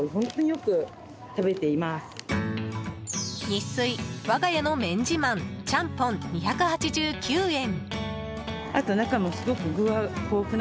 ニッスイわが家の麺自慢ちゃんぽん２８９円。